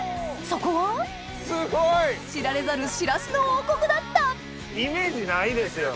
そこは知られざるしらすの王国だったイメージないですよ。